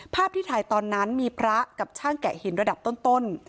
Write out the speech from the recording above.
ภาพที่ถ่ายตอนนั้นมีพระกับช่างแกะหินระดับต้น